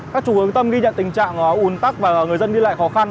các chủ hướng tâm ghi nhận tình trạng ùn tắc và người dân đi lại khó khăn